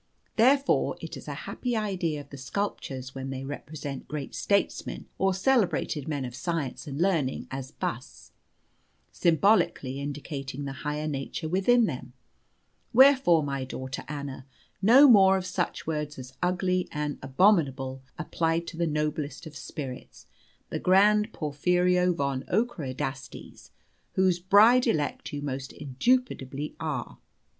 Therefore it is a happy idea of the sculptors when they represent great statesmen, or celebrated men of science and learning as busts, symbolically indicating the higher nature within them. Wherefore, my daughter Anna, no more of such words as 'ugly and abominable' applied to the noblest of spirits, the grand Porphyrio von Ockerodastes, whose bride elect you most indubitably are.